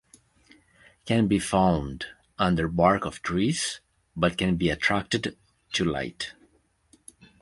Can be found under bark of trees but can be attracted to light.